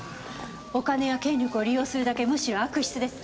お金や権力を利用するだけむしろ悪質です。